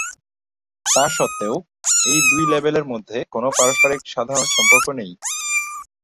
তা সত্বেও, এই দুই লেবেলের মধ্যে কোন পারস্পরিক সাধারণ সম্পর্ক নেই।